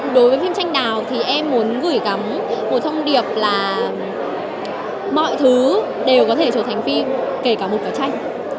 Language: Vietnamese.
đối với phim tranh đào thì em muốn gửi gắm một thông điệp là mọi thứ đều có thể trở thành phim kể cả một vở tranh